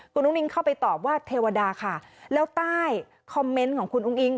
คุณอุ้งเข้าไปตอบว่าเทวดาค่ะแล้วใต้คอมเมนต์ของคุณอุ้งอิง